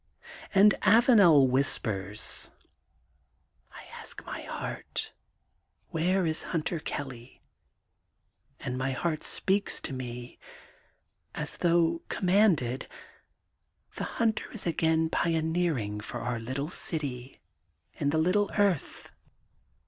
And Avanel whispers: — ^I ask my heart: — ^Where is Hunter Kelly, and my heart speaks to me as though commanded: 'The Hunter is again pioneering for our little city in the little earth.